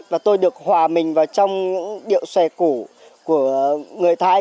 và tôi được hòa mình vào trong những điệu xòe củ của người thái